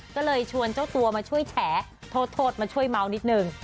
ก็เลยชวนเจ้าตัวมาช่วยแฉโทษมาช่วยเมานิดนึง